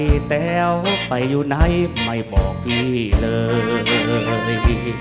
แต้วไปอยู่ไหนไม่บอกพี่เลย